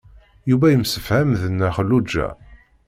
Yuba yemsefham d Nna Xelluǧa.